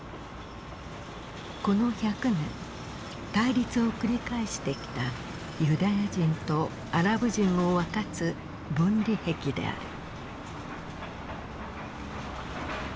この１００年対立を繰り返してきたユダヤ人とアラブ人を分かつ分離壁である。